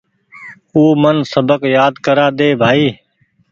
آو من سبق يآد ڪرآ ۮي بآئي